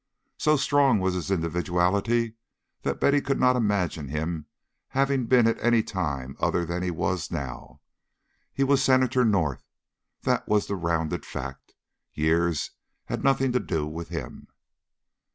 So strong was his individuality that Betty could not imagine him having been at any time other than he was now. He was Senator North, that was the rounded fact; years had nothing to do with him.